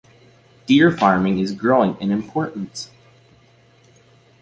Deer farming is growing in importance.